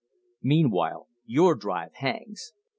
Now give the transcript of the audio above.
Meanwhile your drive hangs.